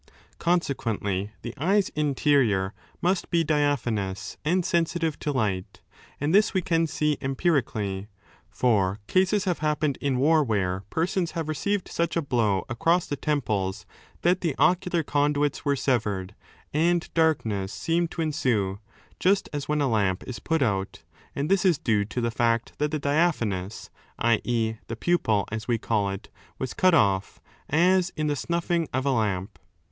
Consequently, the eye's interior must be diaphanous and sensitive to light. And this we can see empirically. For cases have happened in war where 1 De an. ilSb 1, 419a 9, 4a0a 16. OHAP. n. THB ORGANS OF SENSE 155 persons have received sach a blow across the temples^ that the ocular conduits were severed and darkness seemed to ensue, just as when a lamp is put out, and this is due to the fact that the diaphanous, i.e. the pupil as we call it, was cut off, as in the snuffing of a i8 lamp.